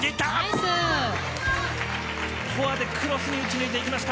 フォアでクロスに打ち抜いていきました。